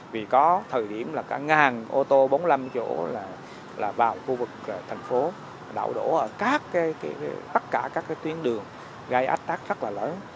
vì có thời điểm là cả ngàn ô tô bốn mươi năm chỗ là vào khu vực thành phố đậu đổ ở các tất cả các tuyến đường gây ách tắc rất là lớn